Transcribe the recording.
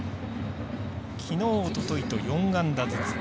きのう、おとといと４安打ずつ。